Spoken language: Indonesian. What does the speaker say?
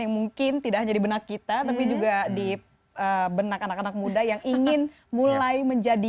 yang mungkin tidak hanya di benak kita tapi juga di benak anak anak muda yang ingin mulai menjadi